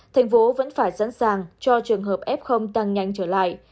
thành phố vẫn phải sẵn sàng cho trường hợp f tăng nhanh trở lại